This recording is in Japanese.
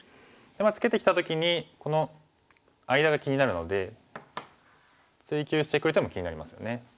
ツケてきた時にこの間が気になるので追及してくる手も気になりますよね。